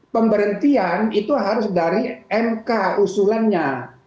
pemberhentian itu harus dari mk usulannya